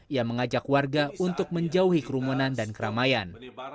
yang mengajak warga untuk menjauhi kerumunan dan keramaian